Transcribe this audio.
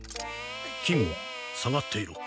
金吾下がっていろ。